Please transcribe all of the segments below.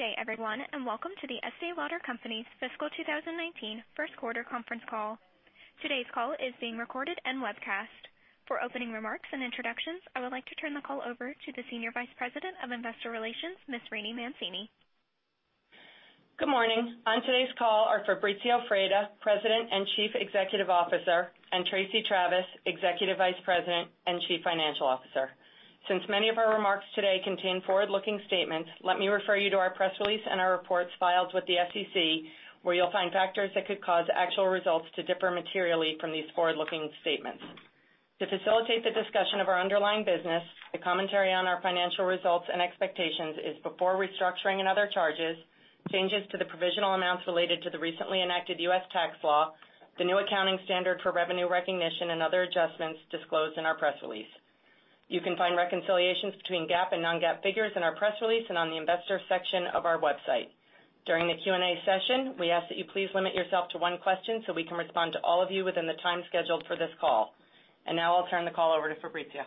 Good day, everyone, and welcome to The Estée Lauder Companies Fiscal 2019 First Quarter Conference Call. Today's call is being recorded and webcast. For opening remarks and introductions, I would like to turn the call over to the Senior Vice President of Investor Relations, Ms. Rainey Mancini. Good morning. On today's call are Fabrizio Freda, President and Chief Executive Officer, and Tracey Travis, Executive Vice President and Chief Financial Officer. Since many of our remarks today contain forward-looking statements, let me refer you to our press release and our reports filed with the SEC, where you'll find factors that could cause actual results to differ materially from these forward-looking statements. To facilitate the discussion of our underlying business, the commentary on our financial results and expectations is before restructuring and other charges, changes to the provisional amounts related to the recently enacted U.S. tax law, the new accounting standard for revenue recognition, and other adjustments disclosed in our press release. You can find reconciliations between GAAP and non-GAAP figures in our press release and on the investor section of our website. During the Q&A session, we ask that you please limit yourself to one question so we can respond to all of you within the time scheduled for this call. Now I'll turn the call over to Fabrizio.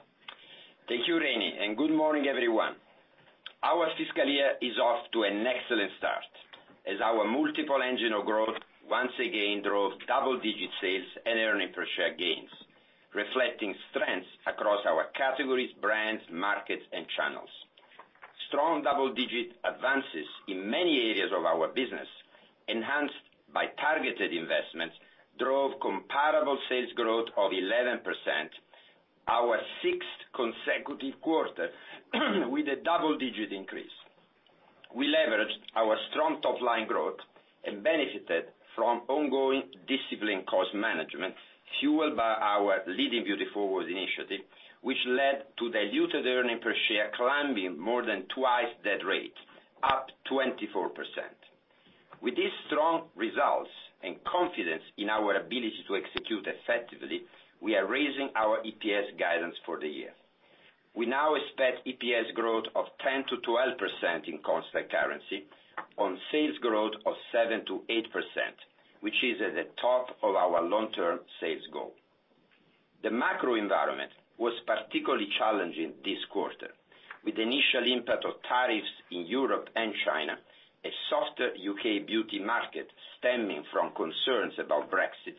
Thank you, Rainie. Good morning, everyone. Our fiscal year is off to an excellent start as our multiple engine of growth once again drove double-digit sales and earnings per share gains, reflecting strengths across our categories, brands, markets, and channels. Strong double-digit advances in many areas of our business, enhanced by targeted investments, drove comparable sales growth of 11%, our sixth consecutive quarter with a double-digit increase. We leveraged our strong top-line growth and benefited from ongoing disciplined cost management, fueled by our Leading Beauty Forward initiative, which led to diluted earnings per share climbing more than twice that rate, up 24%. With these strong results and confidence in our ability to execute effectively, we are raising our EPS guidance for the year. We now expect EPS growth of 10%-12% in constant currency on sales growth of 7%-8%, which is at the top of our long-term sales goal. The macro environment was particularly challenging this quarter with the initial impact of tariffs in Europe and China, a softer U.K. beauty market stemming from concerns about Brexit,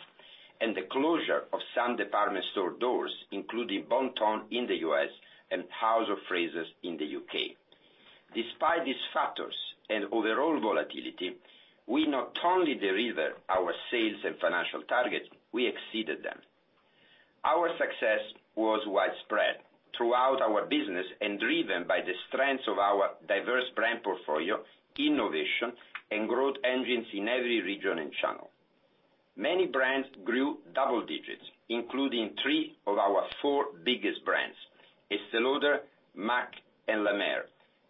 and the closure of some department store doors, including Bon-Ton in the U.S. and House of Fraser in the U.K. Despite these factors and overall volatility, we not only delivered our sales and financial targets, we exceeded them. Our success was widespread throughout our business and driven by the strengths of our diverse brand portfolio, innovation, and growth engines in every region and channel. Many brands grew double digits, including three of our four biggest brands, Estée Lauder, M·A·C, and La Mer,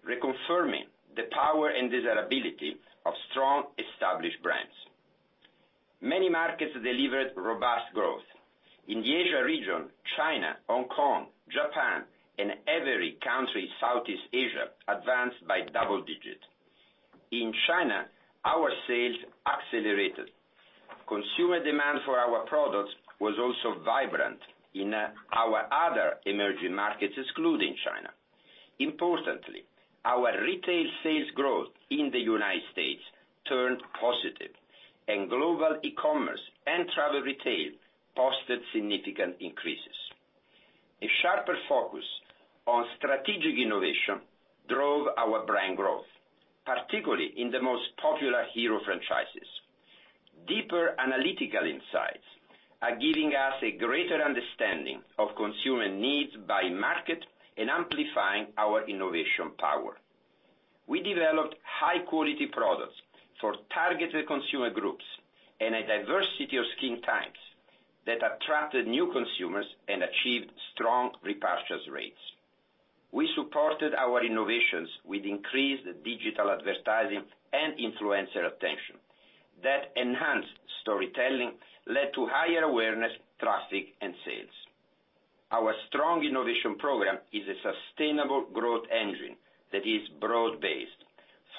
reconfirming the power and desirability of strong, established brands. Many markets delivered robust growth. In the Asia region, China, Hong Kong, Japan, and every country in Southeast Asia advanced by double digits. In China, our sales accelerated. Consumer demand for our products was also vibrant in our other emerging markets excluding China. Importantly, our retail sales growth in the United States turned positive, and global e-commerce and travel retail posted significant increases. A sharper focus on strategic innovation drove our brand growth, particularly in the most popular hero franchises. Deeper analytical insights are giving us a greater understanding of consumer needs by market and amplifying our innovation power. We developed high-quality products for targeted consumer groups and a diversity of skin types that attracted new consumers and achieved strong repurchase rates. We supported our innovations with increased digital advertising and influencer attention. That enhanced storytelling led to higher awareness, traffic, and sales. Our strong innovation program is a sustainable growth engine that is broad-based,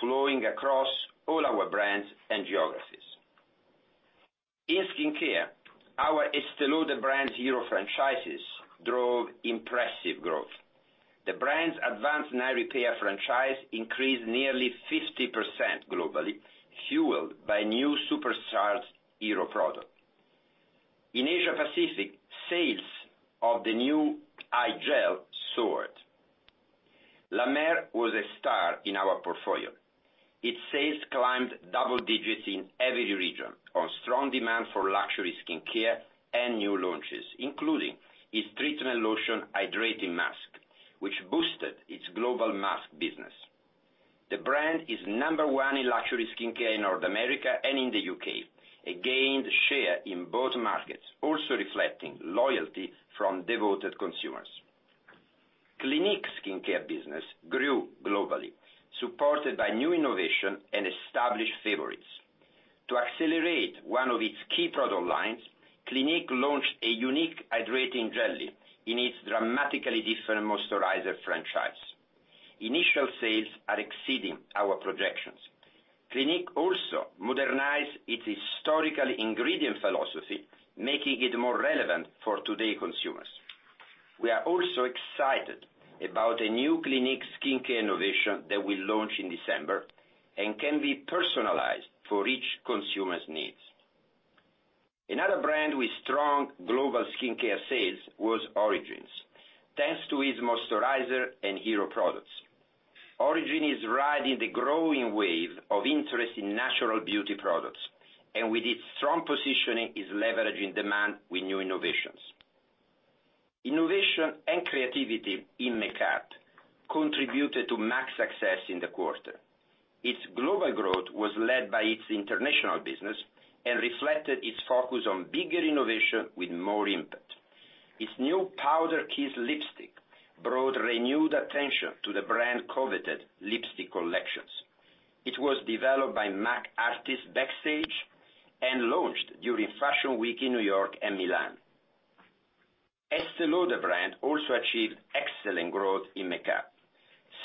flowing across all our brands and geographies. In skincare, our Estée Lauder brand hero franchises drove impressive growth. The brand's Advanced Night Repair franchise increased nearly 50% globally, fueled by new supercharged hero product. In Asia Pacific, sales of the new eye gel soared. La Mer was a star in our portfolio. Its sales climbed double digits in every region on strong demand for luxury skincare and new launches, including its Treatment Lotion Hydrating Mask, which boosted its global mask business. The brand is number one in luxury skincare in North America and in the U.K. It gained share in both markets, also reflecting loyalty from devoted consumers. Clinique skincare business grew globally, supported by new innovation and established favorites. To accelerate one of its key product lines, Clinique launched a unique hydrating jelly in its Dramatically Different Moisturizer franchise. Initial sales are exceeding our projections. Clinique also modernized its historical ingredient philosophy, making it more relevant for today's consumers. We are also excited about a new Clinique skincare innovation that we launch in December and can be personalized for each consumer's needs. Another brand with strong global skincare sales was Origins, thanks to its moisturizer and hero products. Origins is riding the growing wave of interest in natural beauty products, and with its strong positioning, is leveraging demand with new innovations. Innovation and creativity in makeup contributed to M·A·C's success in the quarter. Its global growth was led by its international business and reflected its focus on bigger innovation with more impact. Its new Powder Kiss lipstick brought renewed attention to the brand's coveted lipstick collections. It was developed by M·A·C artists backstage and launched during Fashion Week in New York and Milan. Estée Lauder brand also achieved excellent growth in makeup.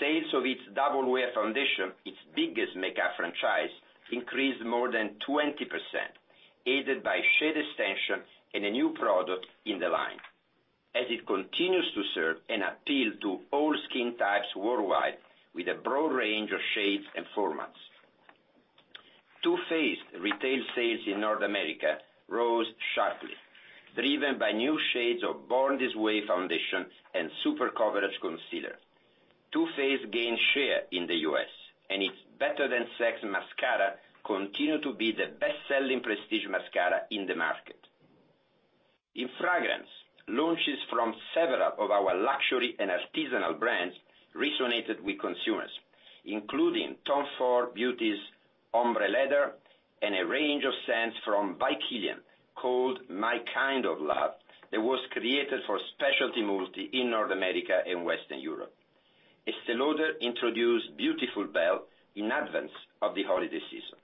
Sales of its Double Wear foundation, its biggest makeup franchise, increased more than 20%, aided by shade extension and a new product in the line, as it continues to serve and appeal to all skin types worldwide with a broad range of shades and formats. Too Faced retail sales in North America rose sharply, driven by new shades of Born This Way foundation and super coverage concealer. Too Faced gained share in the U.S., and its Better Than Sex mascara continue to be the best-selling prestige mascara in the market. In Fragrance, launches from several of our luxury and artisanal brands resonated with consumers, including Tom Ford Beauty's Ombré Leather and a range of scents from By Kilian called My Kind of Love, that was created for specialty multi in North America and Western Europe. Estée Lauder introduced Beautiful Belle in advance of the holiday season.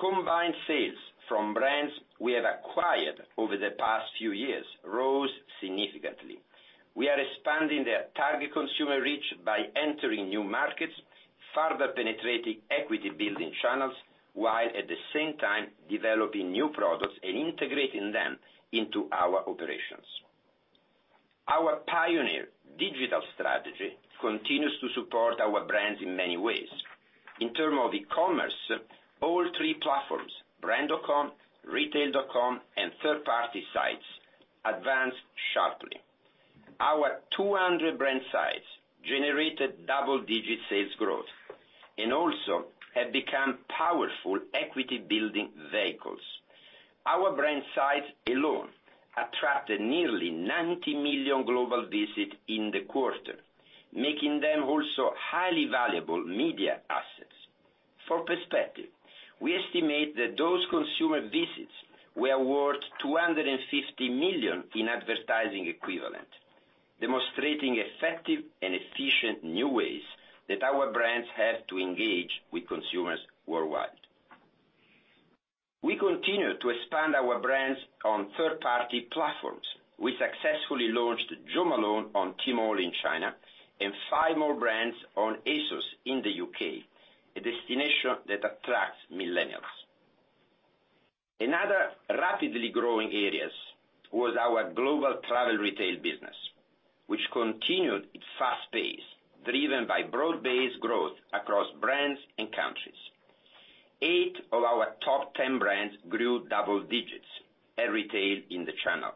Combined sales from brands we have acquired over the past few years rose significantly. We are expanding their target consumer reach by entering new markets, further penetrating equity building channels, while at the same time developing new products and integrating them into our operations. Our pioneer digital strategy continues to support our brands in many ways. In term of e-commerce, all three platforms, brand.com, retail.com, and third-party sites advanced sharply. Our 200 brand sites generated double-digit sales growth and also have become powerful equity building vehicles. Our brand sites alone attracted nearly 90 million global visits in the quarter, making them also highly valuable media assets. For perspective, we estimate that those consumer visits were worth $250 million in advertising equivalent, demonstrating effective and efficient new ways that our brands have to engage with consumers worldwide. We continue to expand our brands on third-party platforms. We successfully launched Jo Malone on Tmall in China and five more brands on ASOS in the U.K., a destination that attracts millennials. Another rapidly growing areas was our global travel retail business, which continued its fast pace, driven by broad-based growth across brands and countries. Eight of our top 10 brands grew double digits at retail in the channel.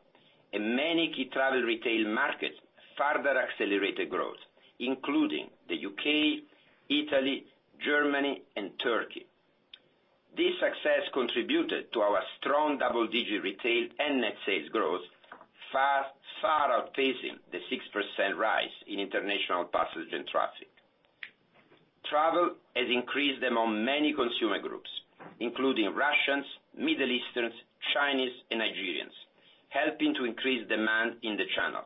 Many key travel retail markets further accelerated growth, including the U.K., Italy, Germany, and Turkey. This success contributed to our strong double-digit retail and net sales growth, far outpacing the 6% rise in international passenger traffic. Travel has increased among many consumer groups, including Russians, Middle Easterns, Chinese, and Nigerians, helping to increase demand in the channel.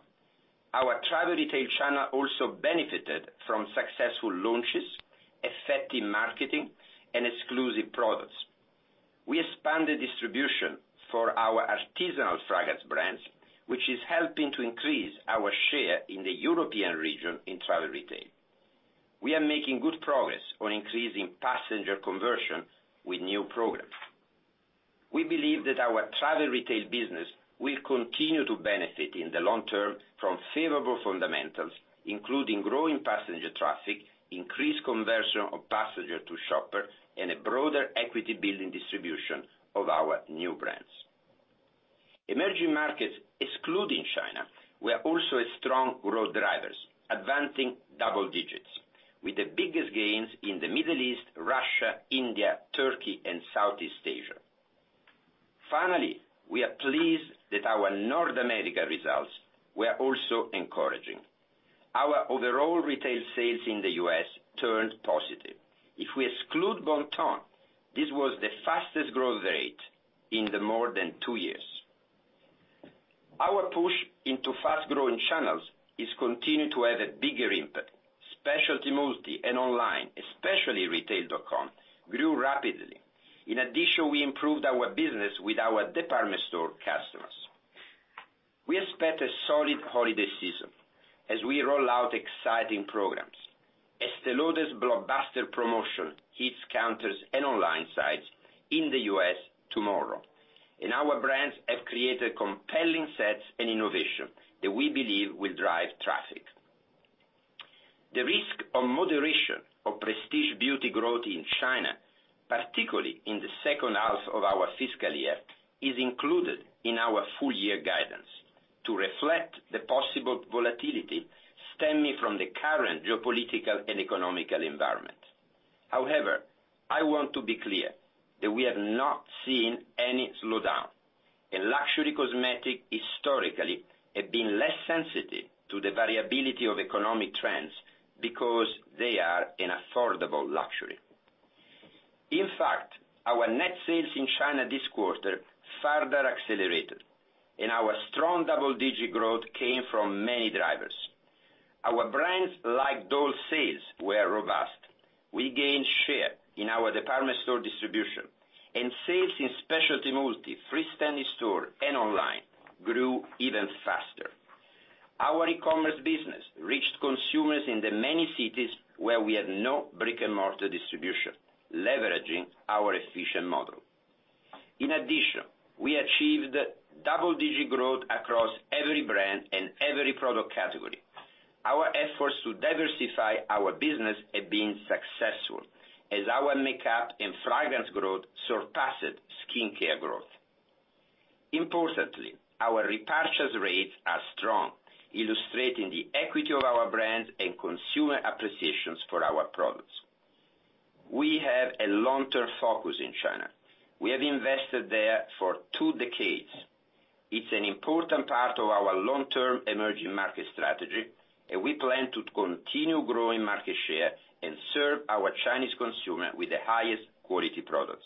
Our travel retail channel also benefited from successful launches, effective marketing, and exclusive products. We expanded distribution for our artisanal fragrance brands, which is helping to increase our share in the European region in travel retail. We are making good progress on increasing passenger conversion with new programs. We believe that our travel retail business will continue to benefit in the long term from favorable fundamentals, including growing passenger traffic, increased conversion of passenger to shopper, and a broader equity building distribution of our new brands. Emerging markets, excluding China, were also a strong growth drivers, advancing double digits with the biggest gains in the Middle East, Russia, India, Turkey, and Southeast Asia. Finally, we are pleased that our North America results were also encouraging. Our overall retail sales in the U.S. turned positive. If we exclude Bon-Ton, this was the fastest growth rate in the more than two years. Our push into fast-growing channels is continuing to have a bigger impact. Specialty multi and online, especially retail.com, grew rapidly. In addition, we improved our business with our department store customers. We expect a solid holiday season as we roll out exciting programs. Estée Lauder's blockbuster promotion hits counters and online sites in the U.S. tomorrow. Our brands have created compelling sets and innovation that we believe will drive traffic. The risk of moderation of prestige beauty growth in China, particularly in the second half of our fiscal year, is included in our full year guidance to reflect the possible volatility stemming from the current geopolitical and economical environment. However, I want to be clear that we have not seen any slowdown. In luxury cosmetic historically have been less sensitive to the variability of economic trends because they are an affordable luxury. In fact, our net sales in China this quarter further accelerated. Our strong double-digit growth came from many drivers. Our brands like those sales were robust. We gained share in our department store distribution. Sales in specialty multi, freestanding store, and online grew even faster. Our e-commerce business reached consumers in the many cities where we have no brick and mortar distribution, leveraging our efficient model. In addition, we achieved double-digit growth across every brand and every product category. Our efforts to diversify our business have been successful as our makeup and fragrance growth surpasses skincare growth. Importantly, our repurchase rates are strong, illustrating the equity of our brands and consumer appreciations for our products. We have a long-term focus in China. We have invested there for two decades. It's an important part of our long-term emerging market strategy. We plan to continue growing market share and serve our Chinese consumer with the highest quality products.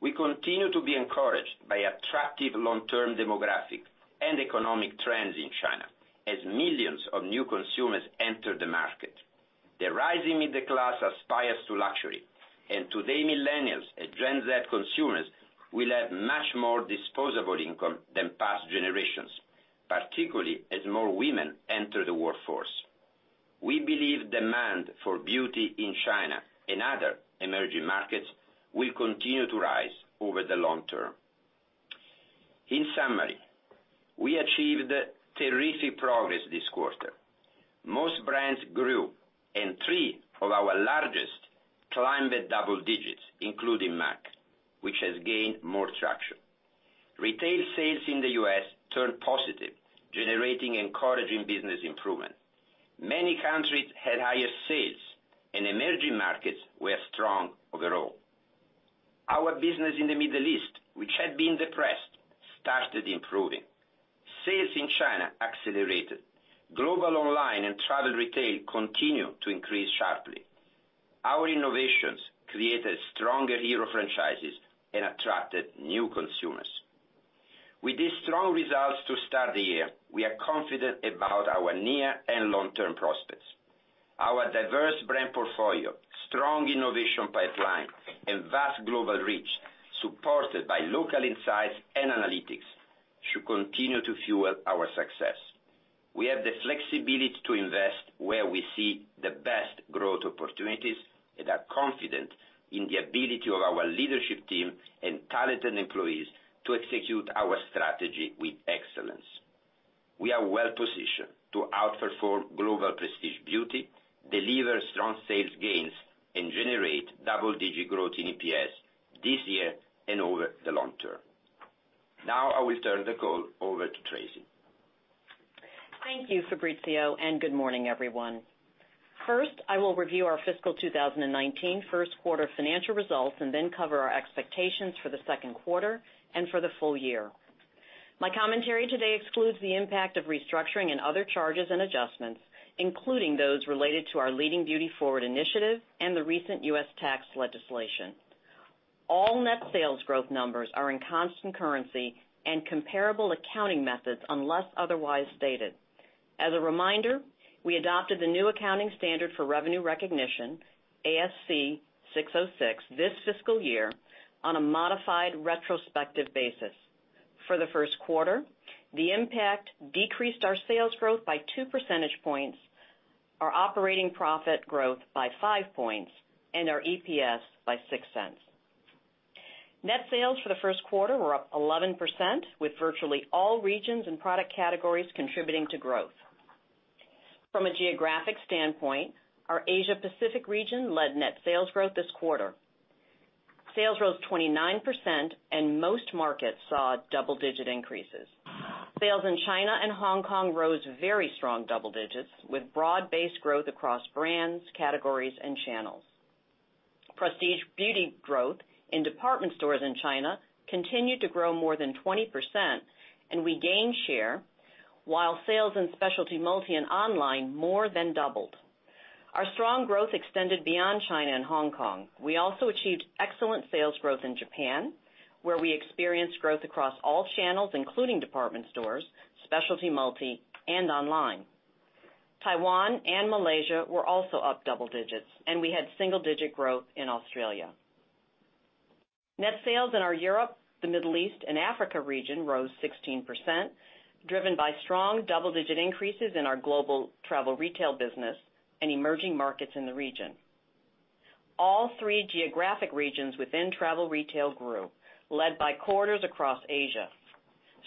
We continue to be encouraged by attractive long-term demographic and economic trends in China as millions of new consumers enter the market. The rising middle class aspires to luxury. Today millennials and Gen Z consumers will have much more disposable income than past generations, particularly as more women enter the workforce. We believe demand for beauty in China and other emerging markets will continue to rise over the long term. In summary, we achieved terrific progress this quarter. Most brands grew. Three of our largest climbed at double digits, including M·A·C, which has gained more traction. Retail sales in the U.S. turned positive, generating encouraging business improvement. Many countries had higher sales. Emerging markets were strong overall. Our business in the Middle East, which had been depressed, started improving. Sales in China accelerated. Global online and travel retail continued to increase sharply. Our innovations created stronger hero franchises and attracted new consumers. With these strong results to start the year, we are confident about our near and long-term prospects. Our diverse brand portfolio, strong innovation pipeline, and vast global reach, supported by local insights and analytics, should continue to fuel our success. We have the flexibility to invest where we see the best growth opportunities and are confident in the ability of our leadership team and talented employees to execute our strategy with excellence. We are well positioned to outperform global prestige beauty, deliver strong sales gains, and generate double-digit growth in EPS this year and over the long term. Now I will turn the call over to Tracey. Thank you, Fabrizio. Good morning, everyone. First, I will review our fiscal 2019 first quarter financial results. Cover our expectations for the second quarter and for the full year. My commentary today excludes the impact of restructuring and other charges and adjustments, including those related to our Leading Beauty Forward initiative and the recent U.S. tax legislation. All net sales growth numbers are in constant currency and comparable accounting methods unless otherwise stated. As a reminder, we adopted the new accounting standard for revenue recognition, ASC 606, this fiscal year on a modified retrospective basis. For the first quarter, the impact decreased our sales growth by two percentage points, our operating profit growth by five points, and our EPS by $0.06. Net sales for the first quarter were up 11%, with virtually all regions and product categories contributing to growth. From a geographic standpoint, our Asia Pacific region led net sales growth this quarter. Sales rose 29%. Most markets saw double-digit increases. Sales in China and Hong Kong rose very strong double digits with broad-based growth across brands, categories, and channels. Prestige beauty growth in department stores in China continued to grow more than 20%. We gained share while sales in specialty multi and online more than doubled. Our strong growth extended beyond China and Hong Kong. We also achieved excellent sales growth in Japan, where we experienced growth across all channels, including department stores, specialty multi, and online. Taiwan and Malaysia were also up double digits. We had single-digit growth in Australia. Net sales in our Europe, the Middle East, and Africa region rose 16%, driven by strong double-digit increases in our global travel retail business and emerging markets in the region. All three geographic regions within travel retail grew, led by corridors across Asia.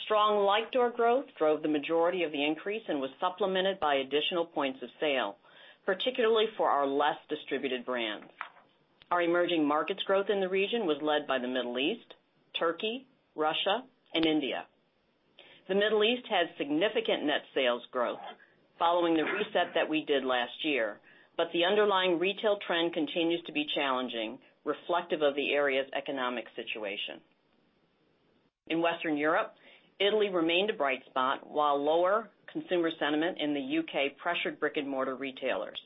Strong like-store growth drove the majority of the increase. Was supplemented by additional points of sale, particularly for our less distributed brands. Our emerging markets growth in the region was led by the Middle East, Turkey, Russia, and India. The Middle East had significant net sales growth following the reset that we did last year. The underlying retail trend continues to be challenging, reflective of the area's economic situation. In Western Europe, Italy remained a bright spot while lower consumer sentiment in the U.K. pressured brick-and-mortar retailers.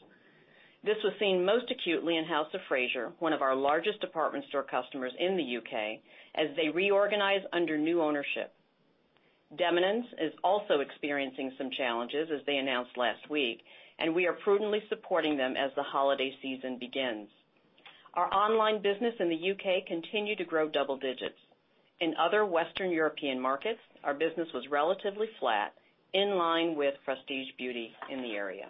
This was seen most acutely in House of Fraser, one of our largest department store customers in the U.K., as they reorganize under new ownership. Debenhams is also experiencing some challenges, as they announced last week. We are prudently supporting them as the holiday season begins. Our online business in the U.K. continued to grow double digits. In other Western European markets, our business was relatively flat, in line with prestige beauty in the area.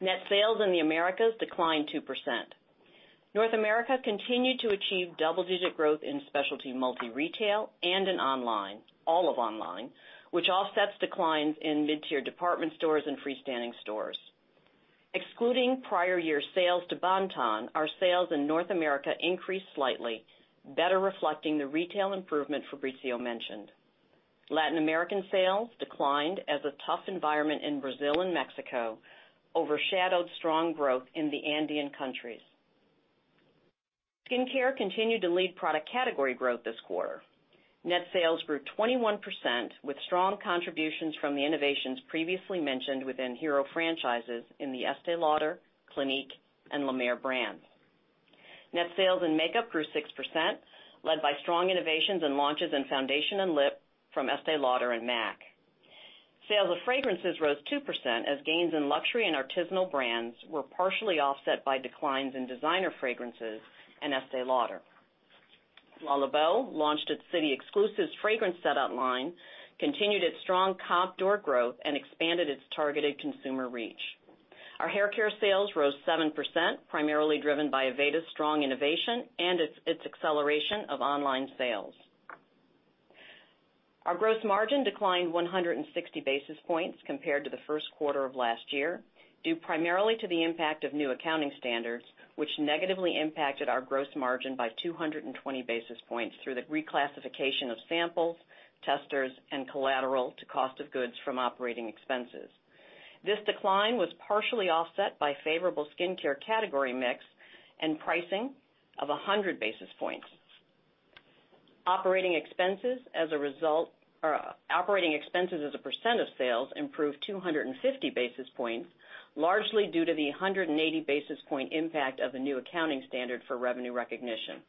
Net sales in the Americas declined 2%. North America continued to achieve double-digit growth in specialty multi-retail and in online, all of online, which offsets declines in mid-tier department stores and freestanding stores. Excluding prior year sales to Bon-Ton, our sales in North America increased slightly, better reflecting the retail improvement Fabrizio mentioned. Latin American sales declined as a tough environment in Brazil and Mexico overshadowed strong growth in the Andean countries. Skincare continued to lead product category growth this quarter. Net sales grew 21%, with strong contributions from the innovations previously mentioned within hero franchises in the Estée Lauder, Clinique, and La Mer brands. Net sales in makeup grew 6%, led by strong innovations and launches in foundation and lip from Estée Lauder and M·A·C. Sales of fragrances rose 2% as gains in luxury and artisanal brands were partially offset by declines in designer fragrances and Estée Lauder. Le Labo launched its city exclusives fragrance set online, continued its strong comp door growth, and expanded its targeted consumer reach. Our haircare sales rose 7%, primarily driven by Aveda's strong innovation and its acceleration of online sales. Our gross margin declined 160 basis points compared to the first quarter of last year, due primarily to the impact of new accounting standards, which negatively impacted our gross margin by 220 basis points through the reclassification of samples, testers, and collateral to cost of goods from operating expenses. This decline was partially offset by favorable skincare category mix and pricing of 100 basis points. Operating expenses as a percent of sales improved 250 basis points, largely due to the 180 basis point impact of the new accounting standard for revenue recognition.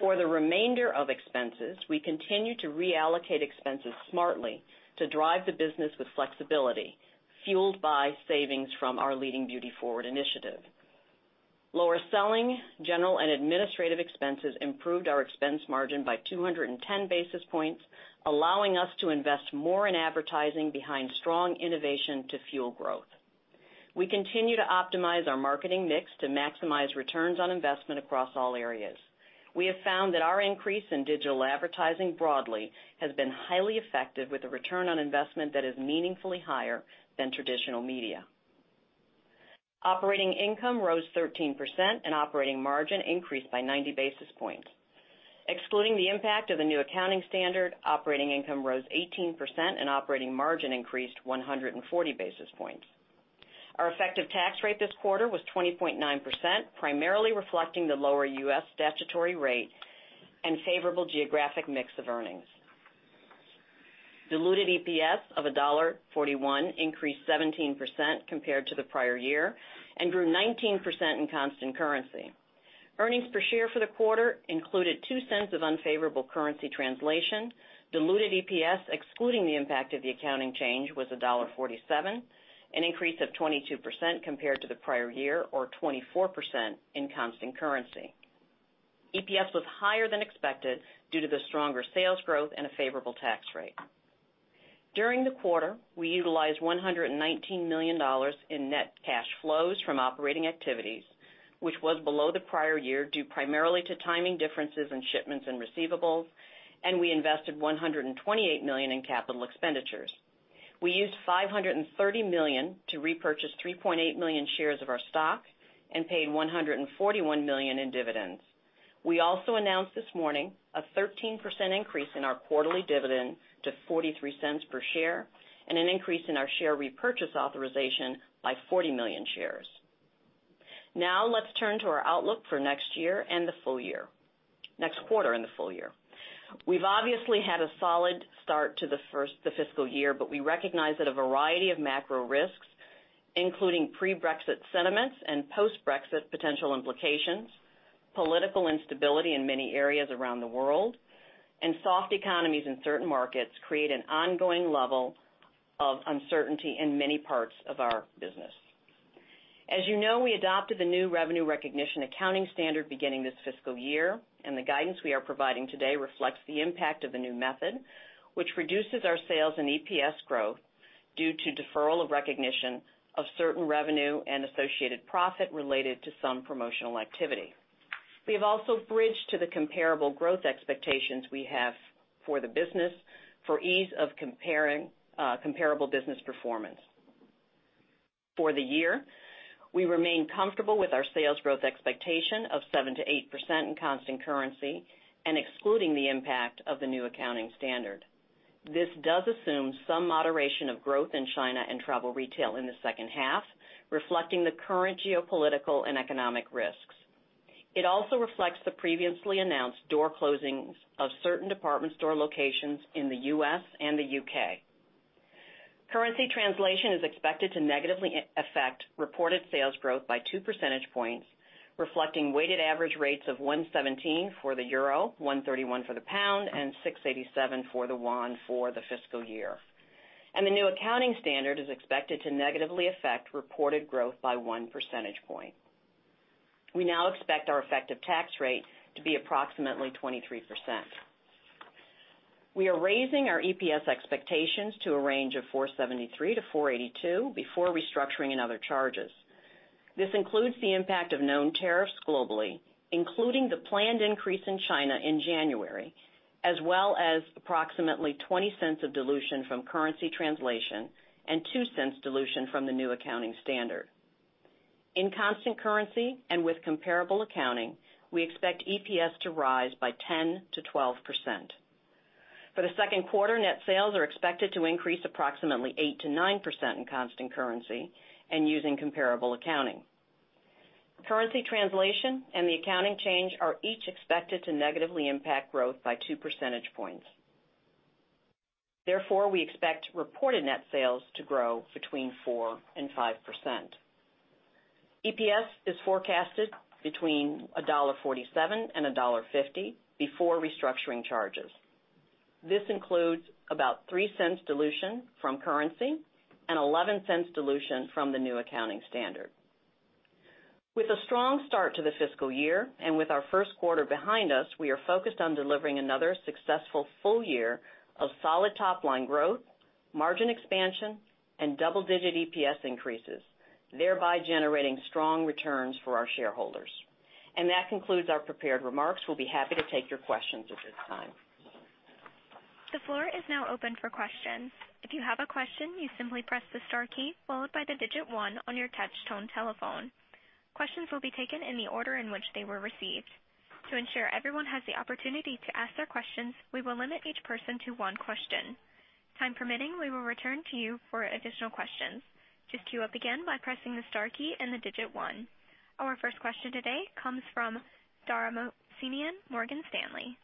For the remainder of expenses, we continue to reallocate expenses smartly to drive the business with flexibility, fueled by savings from our Leading Beauty Forward initiative. Lower selling, general, and administrative expenses improved our expense margin by 210 basis points, allowing us to invest more in advertising behind strong innovation to fuel growth. We continue to optimize our marketing mix to maximize returns on investment across all areas. We have found that our increase in digital advertising broadly has been highly effective with a return on investment that is meaningfully higher than traditional media. Operating income rose 13%, and operating margin increased by 90 basis points. Excluding the impact of the new accounting standard, operating income rose 18%, and operating margin increased 140 basis points. Our effective tax rate this quarter was 20.9%, primarily reflecting the lower U.S. statutory rate and favorable geographic mix of earnings. Diluted EPS of $1.41 increased 17% compared to the prior year and grew 19% in constant currency. Earnings per share for the quarter included $0.02 of unfavorable currency translation. Diluted EPS, excluding the impact of the accounting change, was $1.47, an increase of 22% compared to the prior year, or 24% in constant currency. EPS was higher than expected due to the stronger sales growth and a favorable tax rate. During the quarter, we utilized $119 million in net cash flows from operating activities, which was below the prior year due primarily to timing differences in shipments and receivables, and we invested $128 million in capital expenditures. We used $530 million to repurchase 3.8 million shares of our stock and paid $141 million in dividends. We also announced this morning a 13% increase in our quarterly dividend to $0.43 per share and an increase in our share repurchase authorization by 40 million shares. Let's turn to our outlook for next quarter and the full year. We've obviously had a solid start to the fiscal year, but we recognize that a variety of macro risks, including pre-Brexit sentiments and post-Brexit potential implications, political instability in many areas around the world, and soft economies in certain markets create an ongoing level of uncertainty in many parts of our business. As you know, we adopted the new revenue recognition accounting standard beginning this fiscal year. The guidance we are providing today reflects the impact of the new method, which reduces our sales and EPS growth due to deferral of recognition of certain revenue and associated profit related to some promotional activity. We have also bridged to the comparable growth expectations we have for the business for ease of comparable business performance. We remain comfortable with our sales growth expectation of 7%-8% in constant currency and excluding the impact of the new accounting standard. This does assume some moderation of growth in China and travel retail in the second half, reflecting the current geopolitical and economic risks. It also reflects the previously announced door closings of certain department store locations in the U.S. and the U.K. Currency translation is expected to negatively affect reported sales growth by two percentage points, reflecting weighted average rates of 117 for the euro, 131 for the pound, and 687 for the yuan for the fiscal year. The new accounting standard is expected to negatively affect reported growth by one percentage point. We now expect our effective tax rate to be approximately 23%. We are raising our EPS expectations to a range of $4.73-$4.82 before restructuring and other charges. This includes the impact of known tariffs globally, including the planned increase in China in January, as well as approximately $0.20 of dilution from currency translation and $0.02 dilution from the new accounting standard. In constant currency and with comparable accounting, we expect EPS to rise by 10%-12%. For the second quarter, net sales are expected to increase approximately 8%-9% in constant currency and using comparable accounting. Currency translation and the accounting change are each expected to negatively impact growth by two percentage points. Therefore, we expect reported net sales to grow between 4% and 5%. EPS is forecasted between $1.47 and $1.50 before restructuring charges. This includes about $0.03 dilution from currency and $0.11 dilution from the new accounting standard. With a strong start to the fiscal year and with our first quarter behind us, we are focused on delivering another successful full year of solid top-line growth, margin expansion, and double-digit EPS increases, thereby generating strong returns for our shareholders. That concludes our prepared remarks. We'll be happy to take your questions at this time. The floor is now open for questions. If you have a question, you simply press the star key followed by the digit one on your touchtone telephone. Questions will be taken in the order in which they were received. To ensure everyone has the opportunity to ask their questions, we will limit each person to one question. Time permitting, we will return to you for additional questions. Just queue up again by pressing the star key and the digit one. Our first question today comes from Dara Mohsenian, Morgan Stanley.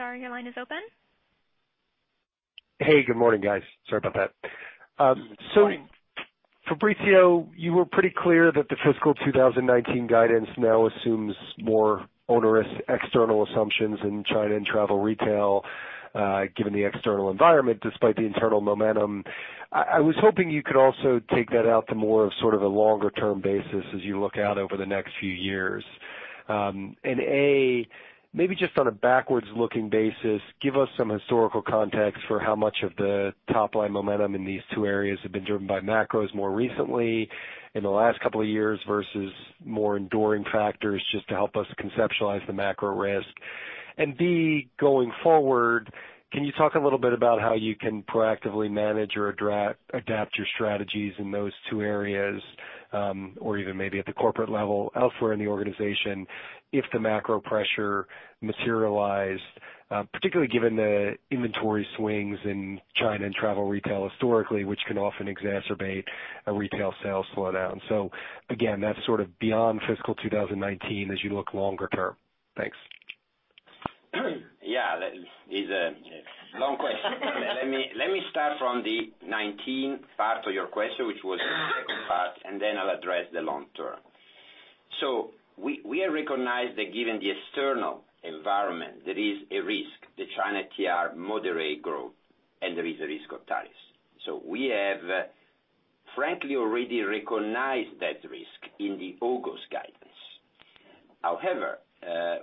Dara, your line is open. Hey, good morning, guys. Sorry about that. Fabrizio, you were pretty clear that the fiscal 2019 guidance now assumes more onerous external assumptions in China and travel retail, given the external environment, despite the internal momentum. I was hoping you could also take that out to more of sort of a longer-term basis as you look out over the next few years. A, maybe just on a backwards-looking basis, give us some historical context for how much of the top-line momentum in these two areas have been driven by macros more recently in the last couple of years versus more enduring factors, just to help us conceptualize the macro risk. B, going forward, can you talk a little bit about how you can proactively manage or adapt your strategies in those two areas, or even maybe at the corporate level elsewhere in the organization if the macro pressure materialized, particularly given the inventory swings in China and travel retail historically, which can often exacerbate a retail sales slowdown. Again, that's sort of beyond fiscal 2019 as you look longer term. Thanks. Yeah. It's a long question. Let me start from the 2019 part of your question, which was the second part, then I'll address the long term. We have recognized that given the external environment, there is a risk that China TR moderate growth and there is a risk of tariffs. We have frankly already recognized that risk in the August guidance. However,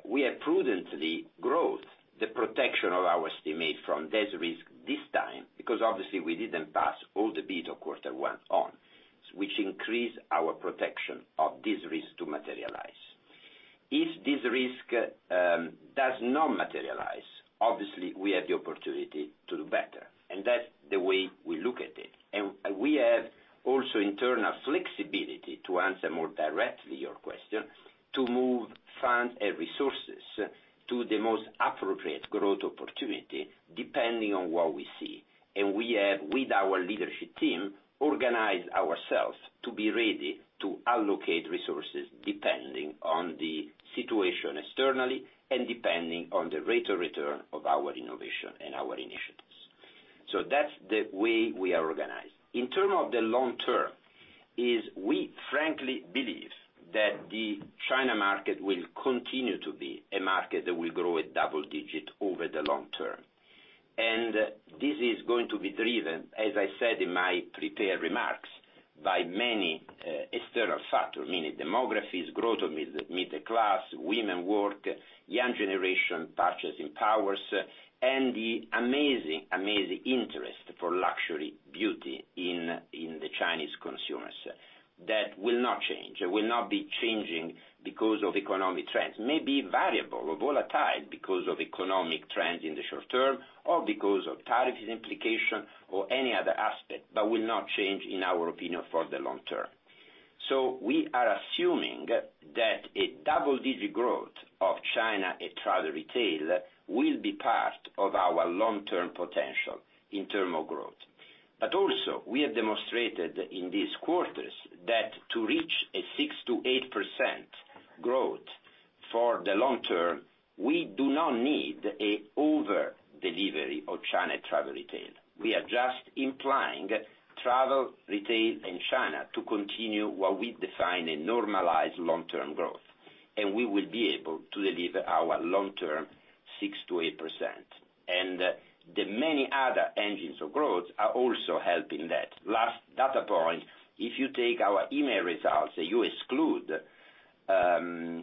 we have prudently grown the protection of our estimate from that risk this time because obviously we didn't pass all the beat of quarter one on, which increased our protection of this risk to materialize. If this risk does not materialize, obviously we have the opportunity to do better, that's the way we look at it. We have also internal flexibility, to answer more directly your question, to move funds and resources to the most appropriate growth opportunity, depending on what we see. We have, with our leadership team, organized ourselves to be ready to allocate resources depending on the situation externally and depending on the rate of return of our innovation and our initiatives. That's the way we are organized. In terms of the long term, we frankly believe that the China market will continue to be a market that will grow at double-digit over the long term. This is going to be driven, as I said in my prepared remarks, by many external factors, meaning demographics, growth of middle class, women work, young generation purchasing powers, and the amazing interest for luxury beauty in the Chinese consumers. That will not change. It will not be changing because of economic trends. May be variable or volatile because of economic trends in the short term or because of tariff implication or any other aspect, but will not change, in our opinion, for the long term. We are assuming that a double-digit growth of China and travel retail will be part of our long-term potential in terms of growth. Also, we have demonstrated in these quarters that to reach a 6%-8% growth for the long term, we do not need an over-delivery of China travel retail. We are just implying travel retail in China to continue what we define a normalized long-term growth, and we will be able to deliver our long-term 6%-8%. The many other engines of growth are also helping that. Last data point, if you take our EMEA results and you exclude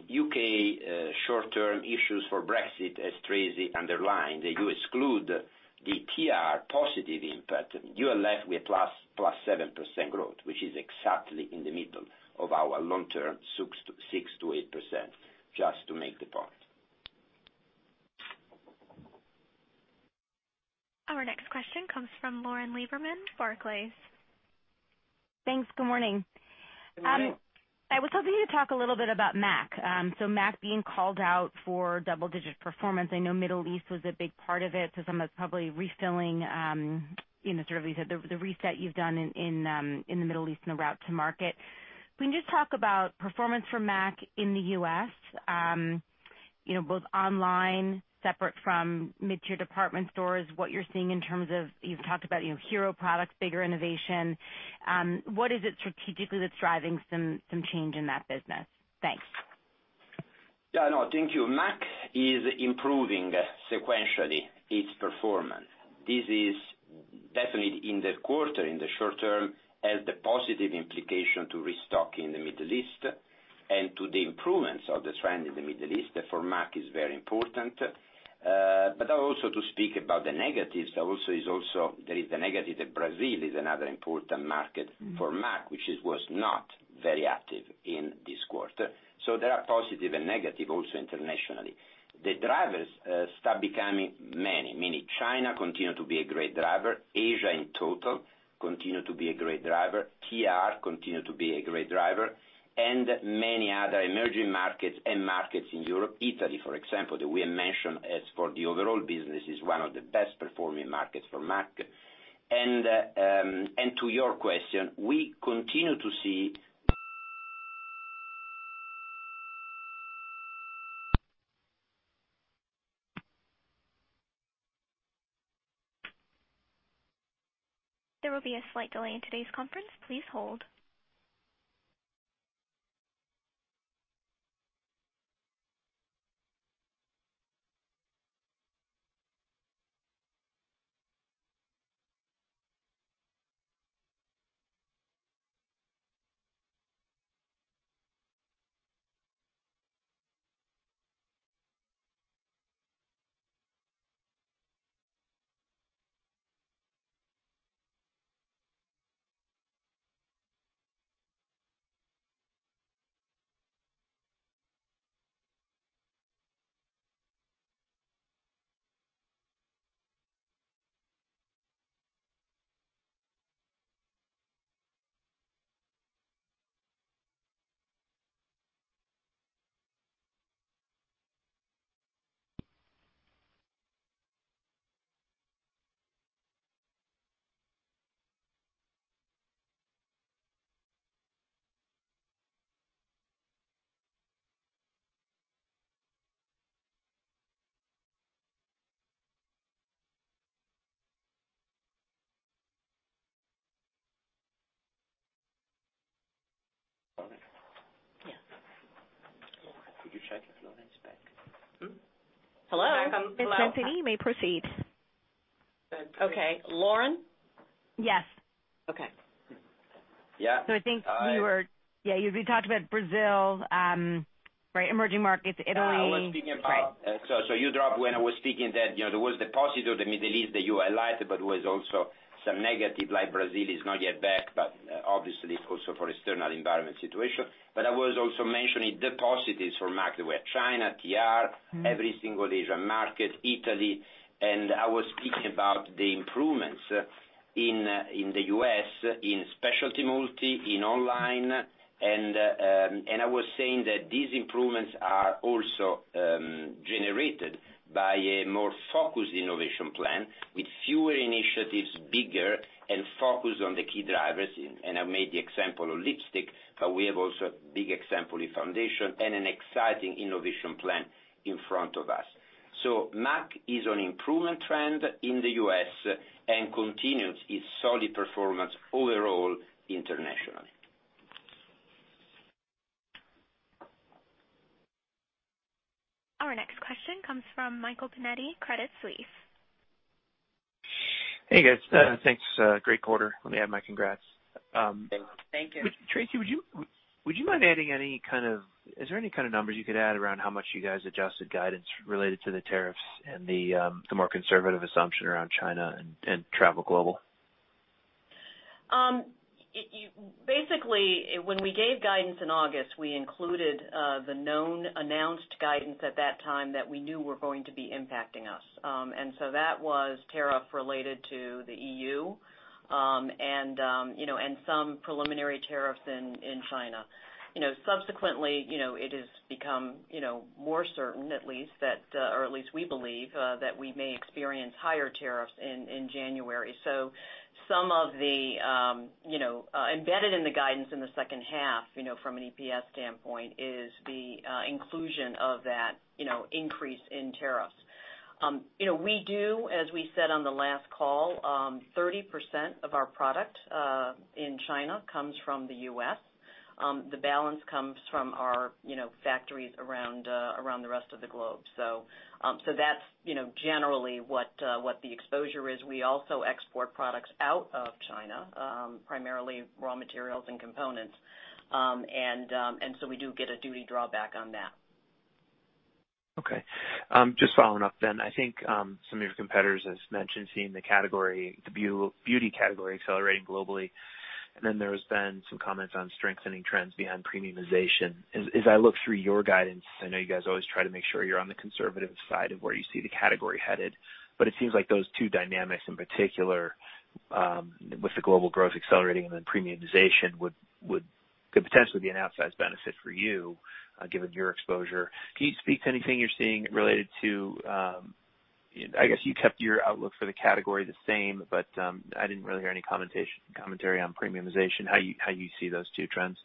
U.K. short-term issues for Brexit, as Tracey underlined, you exclude the TR positive impact, you are left with +7% growth, which is exactly in the middle of our long-term 6%-8%, just to make the point. Our next question comes from Lauren Lieberman, Barclays. Thanks. Good morning. Good morning. I was hoping you could talk a little bit about M·A·C. M·A·C being called out for double-digit performance. I know Middle East was a big part of it, so some of it's probably refilling, sort of the reset you've done in the Middle East and the route to market. Can you just talk about performance for M·A·C in the U.S., both online, separate from mid-tier department stores, what you're seeing in terms of, you've talked about hero products, bigger innovation. What is it strategically that's driving some change in that business? Thanks. Yeah, no. Thank you. M·A·C is improving sequentially its performance. This is definitely in the quarter, in the short term, has the positive implication to restocking the Middle East and to the improvements of the trend in the Middle East, for M·A·C is very important. To speak about the negatives, there is the negative that Brazil is another important market for M·A·C, which was not very active in this quarter. There are positive and negative also internationally. The drivers start becoming many, meaning China continue to be a great driver, Asia in total continue to be a great driver, TR continue to be a great driver, and many other emerging markets and markets in Europe, Italy, for example, that we have mentioned as for the overall business, is one of the best performing markets for M·A·C. To your question, we continue to see- There will be a slight delay in today's conference. Please hold. Lauren? Yeah. Could you check if Lauren is back? Hmm? Hello? It's Anthony. You may proceed. Okay. Lauren? Yes. Okay. Yeah. I think you were. Yeah, you talked about Brazil, emerging markets, Italy. I was speaking about- Right. You dropped when I was speaking that there was the positive, the Middle East that you highlighted, but was also some negative, like Brazil is not yet back, but obviously it's also for external environment situation. I was also mentioning the positives for M·A·C. There were China, TR, every single Asian market, Italy, I was speaking about the improvements in the U.S. in specialty multi, in online, I was saying that these improvements are also generated by a more focused innovation plan with fewer initiatives, bigger, and focused on the key drivers. I made the example of lipstick, but we have also a big example in foundation and an exciting innovation plan in front of us. M·A·C is on improvement trend in the U.S. and continues its solid performance overall internationally. Our next question comes from Michael Binetti, Credit Suisse. Hey, guys. Thanks. Great quarter. Let me add my congrats. Thank you. Tracey, is there any kind of numbers you could add around how much you guys adjusted guidance related to the tariffs and the more conservative assumption around China and travel global? Basically, when we gave guidance in August, we included the known announced guidance at that time that we knew were going to be impacting us. That was tariff related to the EU, and some preliminary tariffs in China. Subsequently, it has become more certain, or at least we believe, that we may experience higher tariffs in January. Some of the embedded in the guidance in the second half, from an EPS standpoint, is the inclusion of that increase in tariffs. We do, as we said on the last call, 30% of our product in China comes from the U.S. The balance comes from our factories around the rest of the globe. We do get a duty drawback on that. Okay. Just following up, I think some of your competitors has mentioned seeing the beauty category accelerating globally, there has been some comments on strengthening trends behind premiumization. As I look through your guidance, I know you guys always try to make sure you're on the conservative side of where you see the category headed, it seems like those two dynamics in particular, with the global growth accelerating premiumization could potentially be an outsized benefit for you, given your exposure. Can you speak to anything you're seeing related to? I guess you kept your outlook for the category the same, I didn't really hear any commentary on premiumization, how you see those two trends?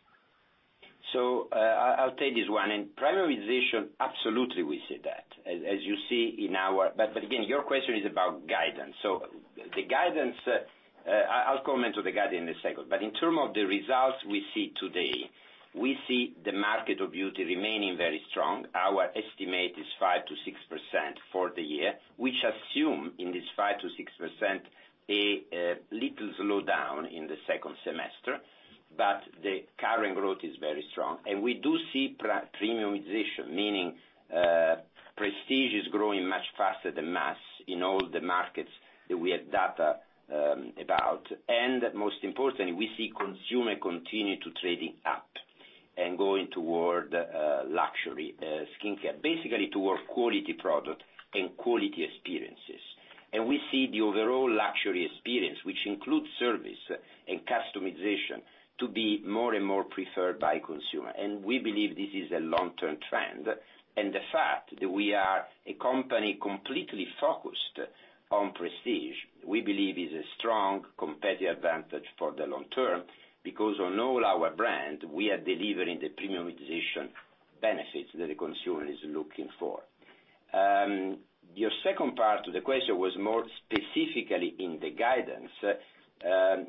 I'll take this one. In premiumization, absolutely we see that. As you see, again, your question is about guidance. The guidance, I'll comment to the guidance in a second, in term of the results we see today, we see the market of beauty remaining very strong. Our estimate is 5%-6% for the year, which assume in this 5%-6% a little slowdown in the second semester, the current growth is very strong. We do see premiumization, meaning prestige is growing much faster than mass in all the markets that we have data about. Most importantly, we see consumer continue to trading up and going toward luxury skincare, basically toward quality product and quality experiences. We see the overall luxury experience, which includes service and customization, to be more and more preferred by consumer. We believe this is a long-term trend. The fact that we are a company completely focused on prestige, we believe is a strong competitive advantage for the long term because on all our brand, we are delivering the premiumization benefits that the consumer is looking for. Your second part to the question was more specifically in the guidance.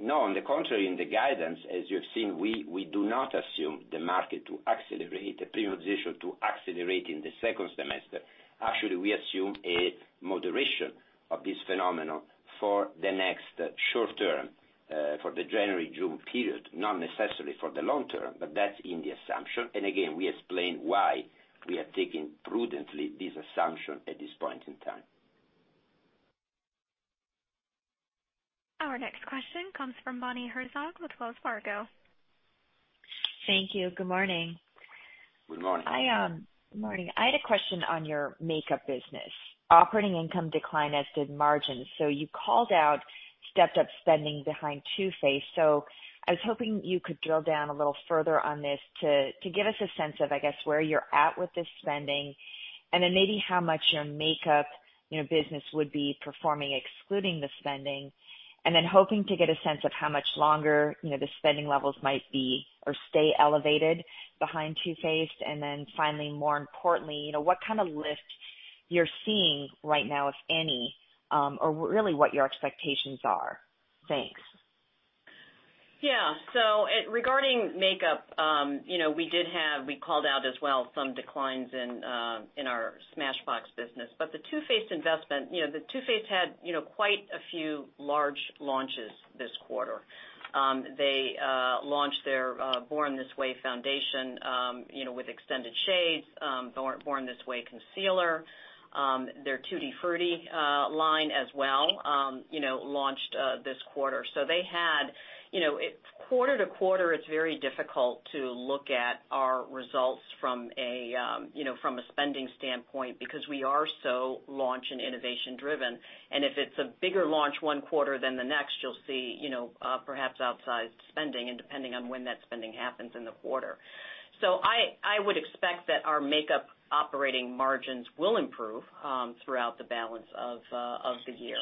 No, on the contrary, in the guidance, as you've seen, we do not assume the market to accelerate, the premiumization to accelerate in the second semester. Actually, we assume a moderation of this phenomenon for the next short term, for the January-June period, not necessarily for the long term, that's in the assumption. Again, we explain why we are taking prudently this assumption at this point in time. Our next question comes from Bonnie Herzog with Wells Fargo. Thank you. Good morning. Good morning. Good morning. I had a question on your makeup business. Operating income decline as did margins. You called out, stepped up spending behind Too Faced. I was hoping you could drill down a little further on this to give us a sense of, I guess, where you're at with this spending, then maybe how much your makeup business would be performing excluding the spending. Hoping to get a sense of how much longer the spending levels might be or stay elevated behind Too Faced. Finally, more importantly, what kind of lift you're seeing right now, if any, or really what your expectations are. Thanks. Regarding makeup, we called out as well some declines in our Smashbox business. The Too Faced investment, the Too Faced had quite a few large launches this quarter. They launched their Born This Way foundation, with extended shades, Born This Way concealer. Their Tutti Frutti line as well, launched this quarter. Quarter to quarter, it's very difficult to look at our results from a spending standpoint because we are so launch and innovation driven, and if it's a bigger launch one quarter than the next, you'll see perhaps outsized spending and depending on when that spending happens in the quarter. I would expect that our makeup operating margins will improve throughout the balance of the year,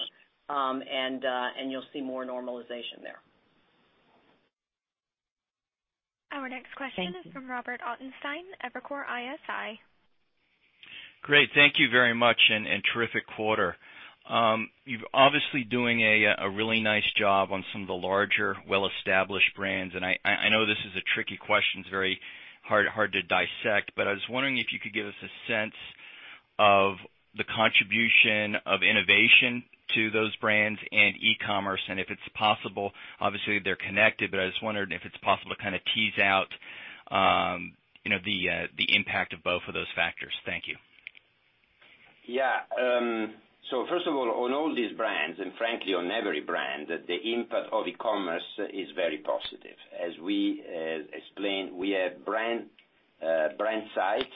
and you'll see more normalization there. Thank you. Our next question is from Robert Ottenstein, Evercore ISI. Great. Thank you very much. Terrific quarter. You're obviously doing a really nice job on some of the larger, well-established brands. I know this is a tricky question. It's very hard to dissect, but I was wondering if you could give us a sense of the contribution of innovation to those brands and e-commerce and if it's possible, obviously they're connected, but I just wondered if it's possible to kind of tease out the impact of both of those factors. Thank you. Yeah. First of all, on all these brands and frankly, on every brand, the impact of e-commerce is very positive. As we explained, we have brand sites,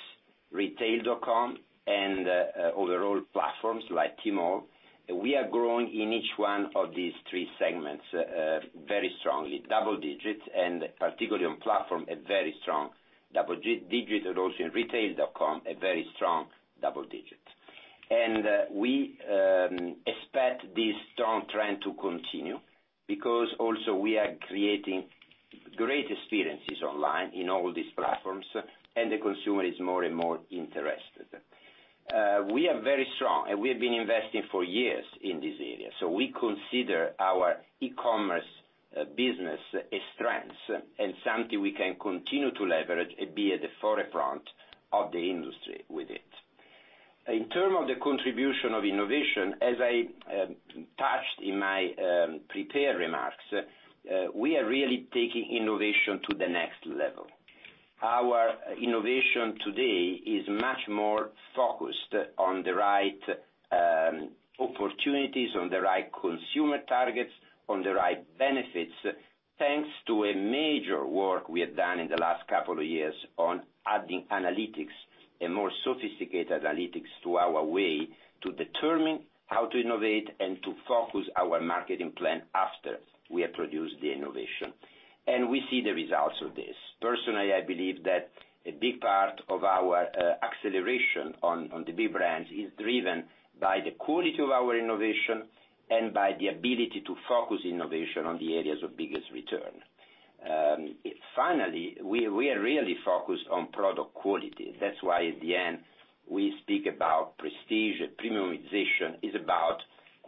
retail.com, and overall platforms like Tmall. We are growing in each one of these three segments very strongly, double digits, and particularly on platform, a very strong double digits. Also in retail.com, a very strong double digits. We expect this strong trend to continue because also we are creating great experiences online in all these platforms, and the consumer is more and more interested. We are very strong, and we have been investing for years in this area. We consider our e-commerce business a strength and something we can continue to leverage and be at the forefront of the industry with it. In term of the contribution of innovation, as I touched in my prepared remarks, we are really taking innovation to the next level. Our innovation today is much more focused on the right opportunities, on the right consumer targets, on the right benefits, thanks to a major work we have done in the last couple of years on adding analytics and more sophisticated analytics to our way to determine how to innovate and to focus our marketing plan after we have produced the innovation. We see the results of this. Personally, I believe that a big part of our acceleration on the big brands is driven by the quality of our innovation and by the ability to focus innovation on the areas of biggest return. Finally, we are really focused on product quality. That's why at the end, we speak about prestige. Premiumization is about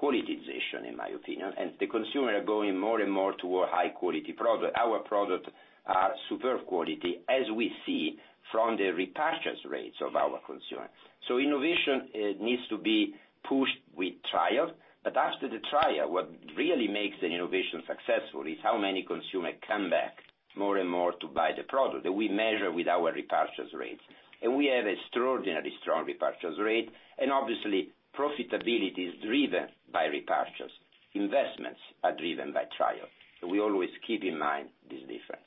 qualityzation, in my opinion. The consumer are going more and more toward high-quality product. Our product are superb quality, as we see from the repurchase rates of our consumer. Innovation needs to be pushed with trial, but after the trial, what really makes an innovation successful is how many consumer come back more and more to buy the product that we measure with our repurchase rates. We have extraordinarily strong repurchase rate, and obviously profitability is driven by repurchase. Investments are driven by trial. We always keep in mind this difference.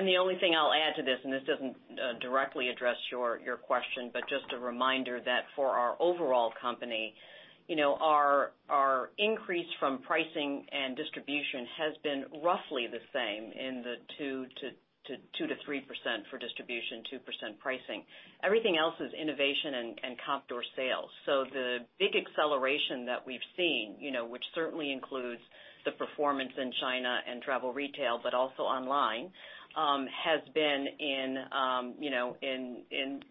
The only thing I'll add to this, and this doesn't directly address your question, but just a reminder that for our overall company, our increase from pricing and distribution has been roughly the same in the 2%-3% for distribution, 2% pricing. Everything else is innovation and comp door sales. The big acceleration that we've seen, which certainly includes the performance in China and travel retail, but also online, has been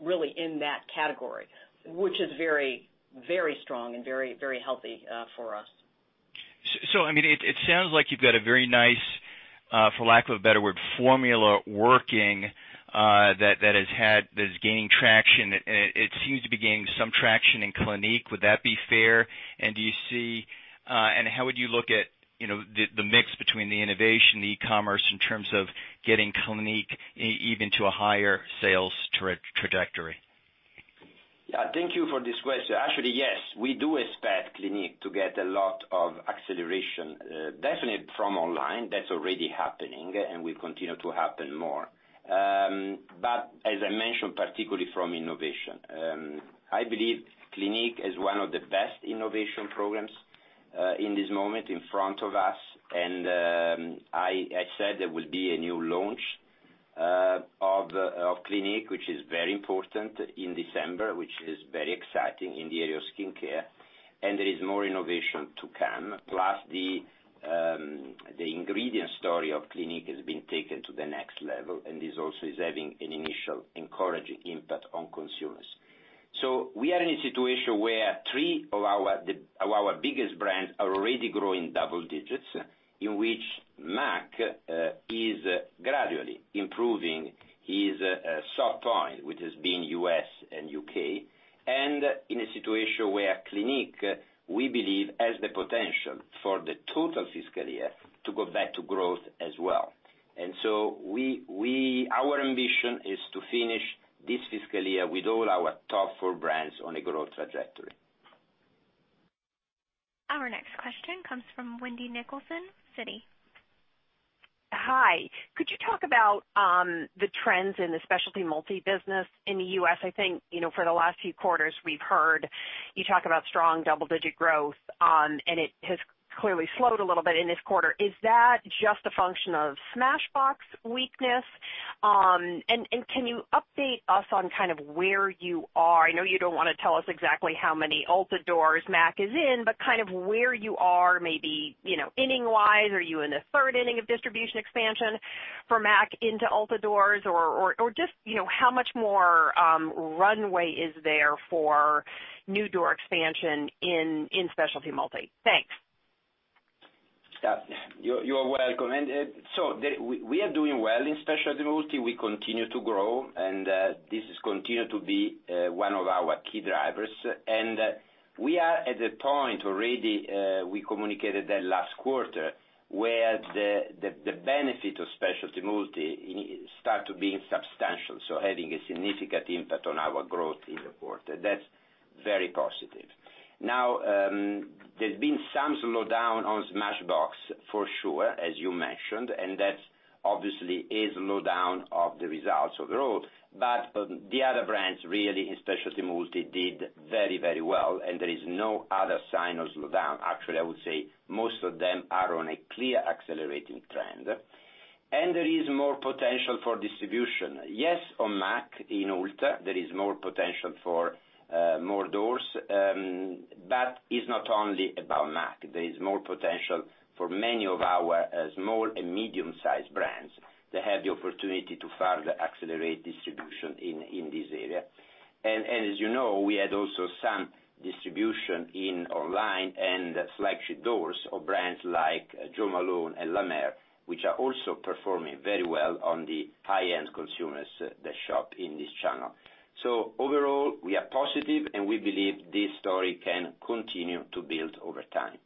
really in that category, which is very, very strong and very healthy for us. It sounds like you've got a very nice, for lack of a better word, formula working that is gaining traction. It seems to be gaining some traction in Clinique. Would that be fair? How would you look at the mix between the innovation, the e-commerce in terms of getting Clinique even to a higher sales trajectory? Yeah. Thank you for this question. Actually, yes, we do expect Clinique to get a lot of acceleration, definitely from online. That's already happening, and will continue to happen more. As I mentioned, particularly from innovation. I believe Clinique is one of the best innovation programs in this moment in front of us. I said there will be a new launch of Clinique, which is very important in December, which is very exciting in the area of skincare. There is more innovation to come. Plus, the ingredient story of Clinique is being taken to the next level and this also is having an initial encouraging impact on consumers. We are in a situation where three of our biggest brands are already growing double digits, in which M·A·C is gradually improving its soft point, which has been U.S. and U.K. In a situation where Clinique, we believe, has the potential for the total fiscal year to go back to growth as well. Our ambition is to finish this fiscal year with all our top four brands on a growth trajectory. Our next question comes from Wendy Nicholson, Citi. Hi. Could you talk about the trends in the specialty multi-business in the U.S.? I think, for the last few quarters we've heard you talk about strong double-digit growth, it has clearly slowed a little bit in this quarter. Is that just a function of Smashbox weakness? Can you update us on kind of where you are? I know you don't want to tell us exactly how many Ulta doors M·A·C is in, but kind of where you are, maybe inning-wise. Are you in the third inning of distribution expansion for M·A·C into Ulta doors? Just how much more runway is there for new door expansion in specialty multi? Thanks. You're welcome. We are doing well in specialty multi, we continue to grow, this has continued to be one of our key drivers. We are at the point already, we communicated that last quarter, where the benefit of specialty multi start to be substantial, so having a significant impact on our growth in the quarter. That's very positive. Now, there's been some slowdown on Smashbox for sure, as you mentioned, that obviously is slowdown of the results overall. The other brands really in specialty multi did very, very well, there is no other sign of slowdown. Actually, I would say most of them are on a clear accelerating trend. There is more potential for distribution. Yes, on M·A·C in Ulta, there is more potential for more doors, it's not only about M·A·C. There is more potential for many of our small and medium-sized brands that have the opportunity to further accelerate distribution in this area. As you know, we had also some distribution in online and flagship doors of brands like Jo Malone and La Mer, which are also performing very well on the high-end consumers that shop in this channel. Overall, we are positive, we believe this story can continue to build over time.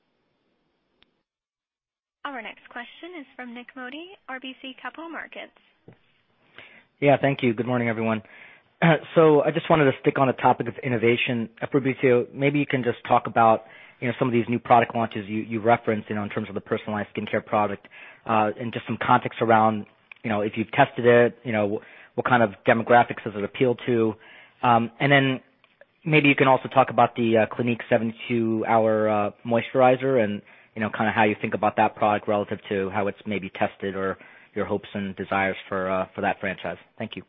Our next question is from Nik Modi, RBC Capital Markets. Thank you. Good morning, everyone. I just wanted to stick on the topic of innovation. Fabrizio, maybe you can just talk about some of these new product launches you referenced, in terms of the personalized skincare product, and just some context around if you've tested it, what kind of demographics does it appeal to. Maybe you can also talk about the Clinique 72-Hour Moisturizer and kind of how you think about that product relative to how it's maybe tested or your hopes and desires for that franchise. Thank you.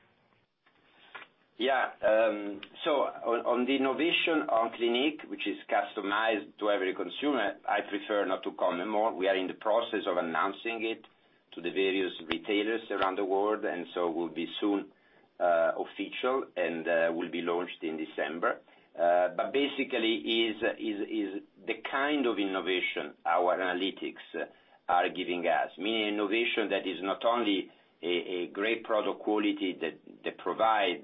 Yeah. On the innovation on Clinique, which is customized to every consumer, I prefer not to comment more. We are in the process of announcing it to the various retailers around the world, will be soon official and will be launched in December. Basically is the kind of innovation our analytics are giving us, meaning innovation that is not only a great product quality that provide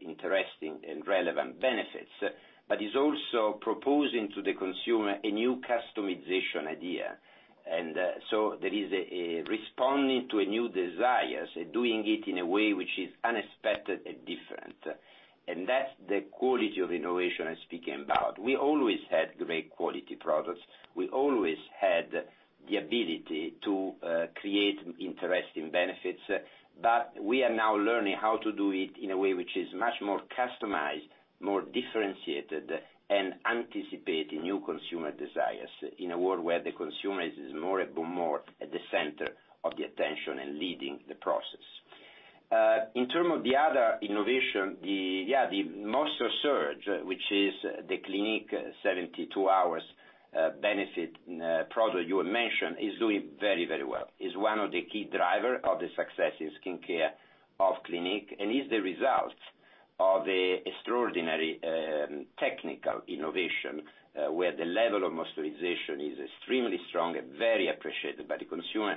interesting and relevant benefits, but is also proposing to the consumer a new customization idea. There is a responding to new desires, doing it in a way which is unexpected and different. That's the quality of innovation I'm speaking about. We always had great quality products. We always had the ability to create interesting benefits, we are now learning how to do it in a way which is much more customized, more differentiated, and anticipating new consumer desires in a world where the consumer is more and more at the center of the attention and leading the process. In terms of the other innovation, the Moisture Surge, which is the Clinique 72 hours benefit product you mentioned, is doing very, very well. Is one of the key driver of the success in skincare of Clinique, is the result of extraordinary technical innovation, where the level of moisturization is extremely strong and very appreciated by the consumer,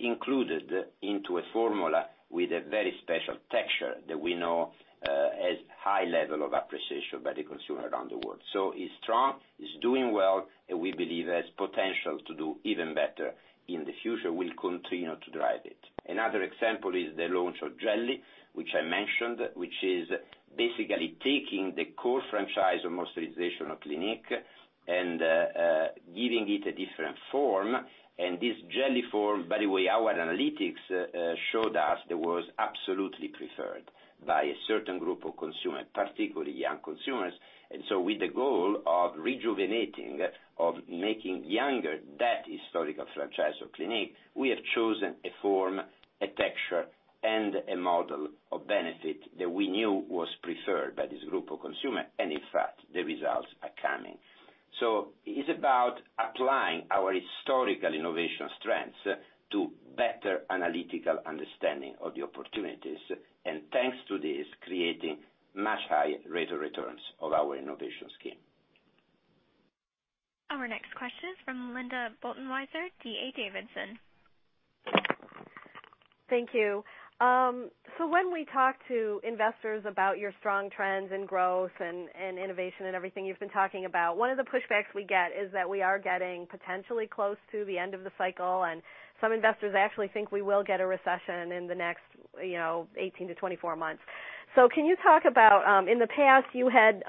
included into a formula with a very special texture that we know has high level of appreciation by the consumer around the world. It's strong, it's doing well, we believe has potential to do even better in the future. We'll continue to drive it. Another example is the launch of Jelly, which I mentioned, which is basically taking the core franchise of moisturization of Clinique and giving it a different form. This jelly form, by the way, our analytics showed us that was absolutely preferred by a certain group of consumers, particularly young consumers. With the goal of rejuvenating, of making younger that historical franchise of Clinique, we have chosen a form, a texture, and a model of benefit that we knew was preferred by this group of consumer. In fact, the results are coming. It's about applying our historical innovation strengths to better analytical understanding of the opportunities. Thanks to this, creating much higher rate of returns of our innovation scheme. Our next question is from Linda Bolton Weiser, D.A. Davidson. Thank you. When we talk to investors about your strong trends in growth and innovation and everything you've been talking about, one of the pushbacks we get is that we are getting potentially close to the end of the cycle, and some investors actually think we will get a recession in the next 18-24 months. Can you talk about, in the past you had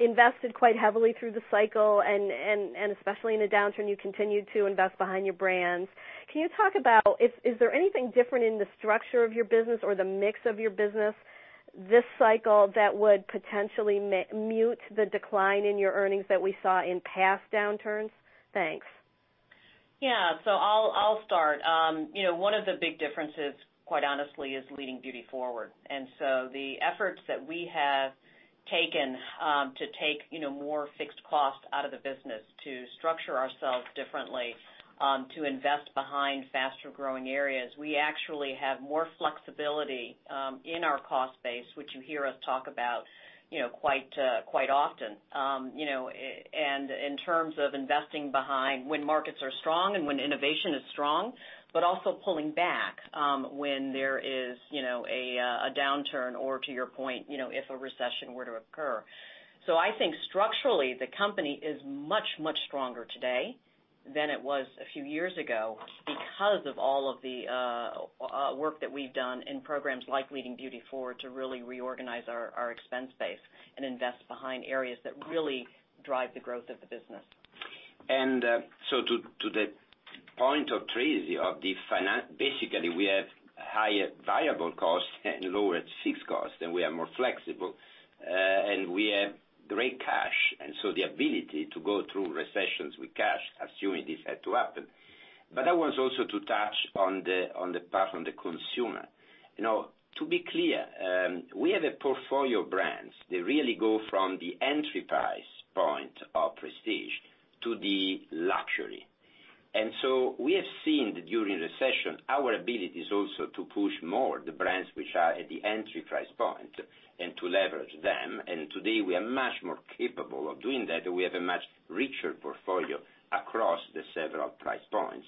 invested quite heavily through the cycle and especially in a downturn, you continued to invest behind your brands. Can you talk about, is there anything different in the structure of your business or the mix of your business this cycle that would potentially mute the decline in your earnings that we saw in past downturns? Thanks. Yeah. I'll start. One of the big differences, quite honestly, is Leading Beauty Forward. The efforts that we have taken to take more fixed cost out of the business to structure ourselves differently, to invest behind faster-growing areas, we actually have more flexibility in our cost base, which you hear us talk about quite often. In terms of investing behind when markets are strong and when innovation is strong, but also pulling back when there is a downturn or to your point, if a recession were to occur. I think structurally the company is much, much stronger today than it was a few years ago because of all of the work that we've done in programs like Leading Beauty Forward to really reorganize our expense base and invest behind areas that really drive the growth of the business. To the point of Tracey, basically we have higher variable costs and lower fixed costs, and we are more flexible. We have great cash, the ability to go through recessions with cash, assuming this had to happen. I want also to touch on the part on the consumer. To be clear, we have a portfolio of brands that really go from the entry price point of prestige to the luxury. We have seen during recession, our ability is also to push more the brands which are at the entry price point and to leverage them. Today we are much more capable of doing that. We have a much richer portfolio across the several price points.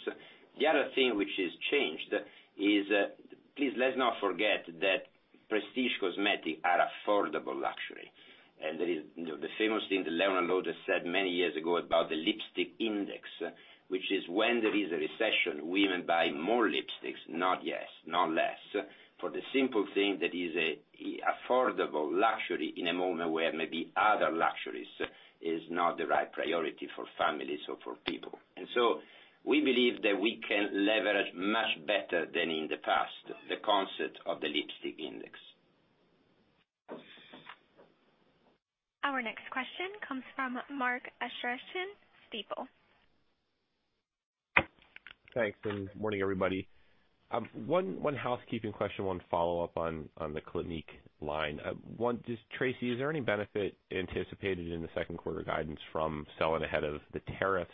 The other thing which has changed is, please let's not forget that prestige cosmetics are affordable luxury. The famous thing that Leonard Lauder said many years ago about the lipstick index, which is when there is a recession, women buy more lipsticks, not less, for the simple thing that is affordable luxury in a moment where maybe other luxuries is not the right priority for families or for people. We believe that we can leverage much better than in the past the concept of the lipstick index. Our next question comes from Mark Astrachan, Stifel. Thanks. Morning everybody. One housekeeping question, one follow-up on the Clinique line. One, Tracey, is there any benefit anticipated in the second quarter guidance from selling ahead of the tariffs?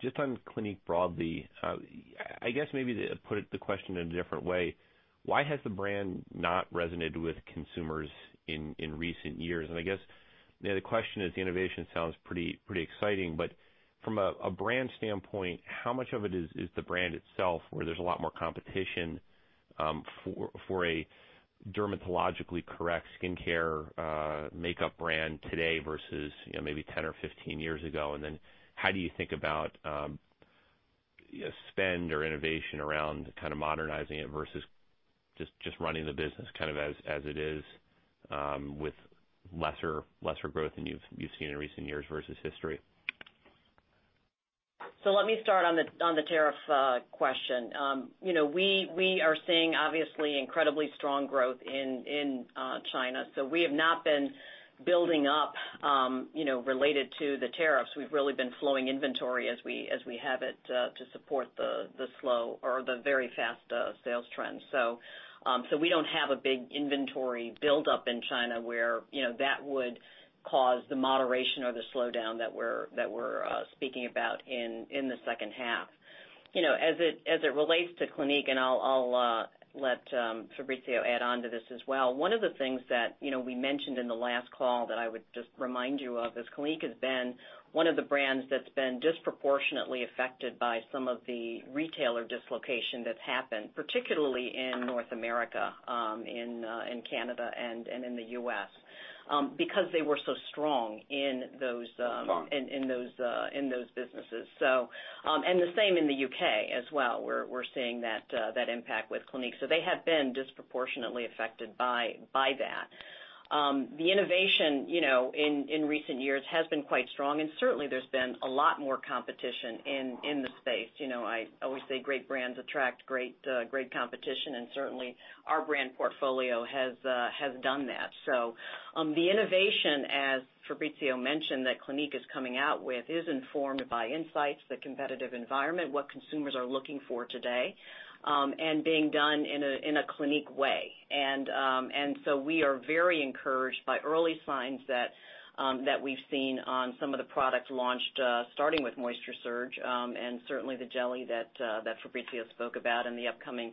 Just on Clinique broadly, I guess maybe to put the question in a different way, why has the brand not resonated with consumers in recent years? I guess the other question is, the innovation sounds pretty exciting, but from a brand standpoint, how much of it is the brand itself where there's a lot more competition for a dermatologically correct skincare makeup brand today versus maybe 10 or 15 years ago? How do you think about spend or innovation around kind of modernizing it versus just running the business kind of as it is with lesser growth than you've seen in recent years versus history? Let me start on the tariff question. We are seeing obviously incredibly strong growth in China. We have not been building up related to the tariffs. We've really been flowing inventory as we have it to support the slow or the very fast sales trends. We don't have a big inventory buildup in China where that would cause the moderation or the slowdown that we're speaking about in the second half. As it relates to Clinique, I'll let Fabrizio add onto this as well, one of the things that we mentioned in the last call that I would just remind you of is Clinique has been one of the brands that's been disproportionately affected by some of the retailer dislocation that's happened, particularly in North America, in Canada, and in the U.S. because they were so strong in those- Strong businesses. The same in the U.K. as well. We're seeing that impact with Clinique. They have been disproportionately affected by that. The innovation in recent years has been quite strong, and certainly there's been a lot more competition in the space. I always say great brands attract great competition, and certainly our brand portfolio has done that. The innovation, as Fabrizio mentioned, that Clinique is coming out with is informed by insights, the competitive environment, what consumers are looking for today, and being done in a Clinique way. We are very encouraged by early signs that we've seen on some of the products launched, starting with Moisture Surge, and certainly the jelly that Fabrizio spoke about and the upcoming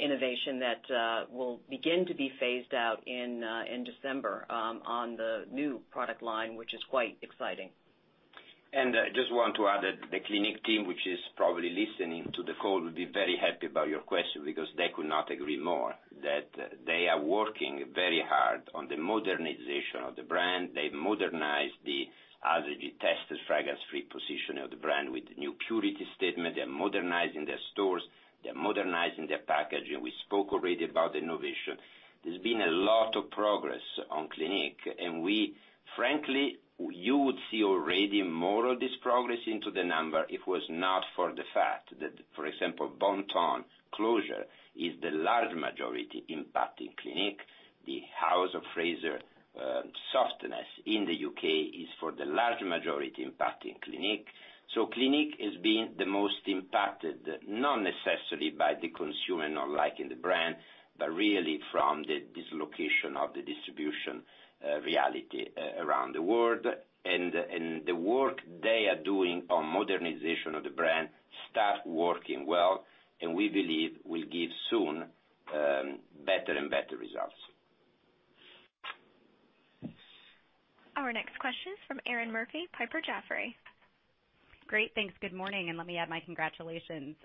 innovation that will begin to be phased out in December on the new product line, which is quite exciting. I just want to add that the Clinique team, which is probably listening to the call, will be very happy about your question because they could not agree more that they are working very hard on the modernization of the brand. They've modernized the allergy tested fragrance-free position of the brand with the new purity statement. They're modernizing their stores. They're modernizing their packaging. We spoke already about innovation. There's been a lot of progress on Clinique, and frankly, you would see already more of this progress into the number if it was not for the fact that, for example, Bon-Ton closure is the large majority impacting Clinique. The House of Fraser softness in the U.K. is for the large majority impacting Clinique. Clinique is being the most impacted, not necessarily by the consumer not liking the brand, but really from the dislocation of the distribution reality around the world. The work they are doing on modernization of the brand start working well, and we believe will give soon better and better results. Our next question is from Erinn Murphy, Piper Jaffray. Great. Thanks. Good morning, and let me add my congratulations.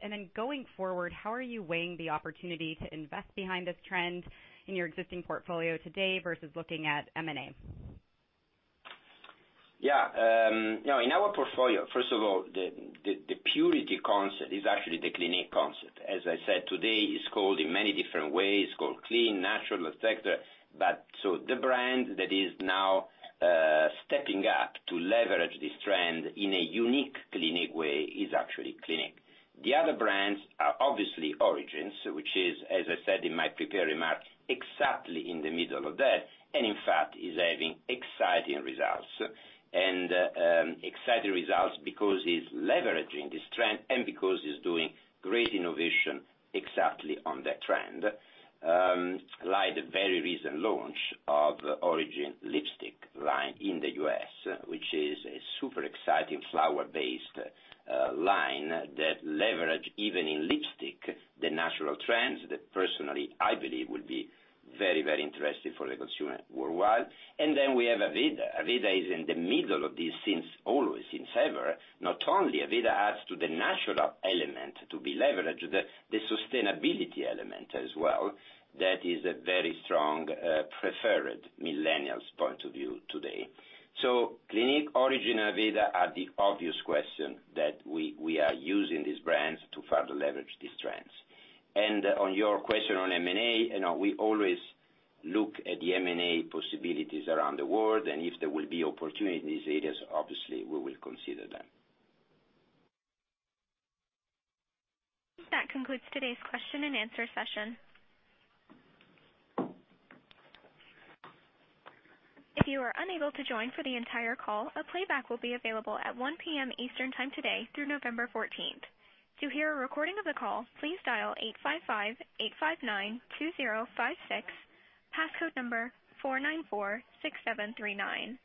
Then going forward, how are you weighing the opportunity to invest behind this trend in your existing portfolio today versus looking at M&A? Yeah. In our portfolio, first of all, the purity concept is actually the Clinique concept. As I said, today, it's called in many different ways, called clean, natural, et cetera. The brand that is now stepping up to leverage this trend in a unique Clinique way is actually Clinique. The other brands are obviously Origins, which is, as I said in my prepared remarks, exactly in the middle of that, and in fact, is having exciting results. Exciting results because it's leveraging this trend and because it's doing great innovation exactly on that trend. Like the very recent launch of Origins lipstick line in the U.S., which is a super exciting flower-based line that leverage, even in lipstick, the natural trends that personally, I believe, would be very interesting for the consumer worldwide. Then we have Aveda. Aveda is in the middle of this since always, since ever. Not only Aveda adds to the natural element to be leveraged, the sustainability element as well, that is a very strong preferred millennials point of view today. Clinique, Origins, and Aveda are the obvious question that we are using these brands to further leverage these trends. On your question on M&A, we always look at the M&A possibilities around the world, and if there will be opportunities in these areas, obviously, we will consider them. That concludes today's question and answer session. If you are unable to join for the entire call, a playback will be available at 1:00 P.M. Eastern time today through November 14th. To hear a recording of the call, please dial 855-859-2056, passcode number 4946739.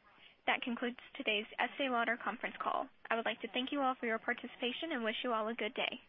That concludes today's Estée Lauder conference call. I would like to thank you all for your participation and wish you all a good day.